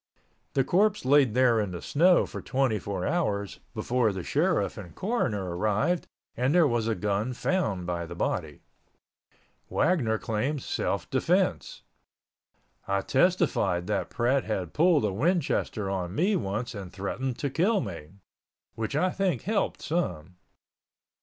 The corpse laid there in the snow for twenty four hours before the sheriff and coroner arrived and there was a gun found by the body. Wagner claimed self defense. I testified that Pratt had pulled a Winchester on me once and threatened to kill me—which I think helped some.